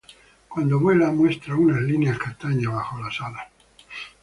Cuando vuela muestra una línea castaña bajo las alas.